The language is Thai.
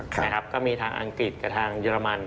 ใช่ก็มีทางอังกฤษกับทางเยอรมัน